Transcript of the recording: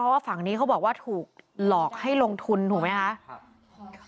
ว่าฝั่งนี้เขาบอกว่าถูกหลอกให้ลงทุนถูกไหมคะ